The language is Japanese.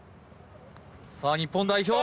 さあ日本代表